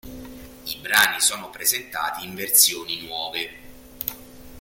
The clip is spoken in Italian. I brani sono presentati in versioni nuove.